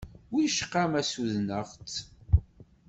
Wicqa ma ssudneɣ-k?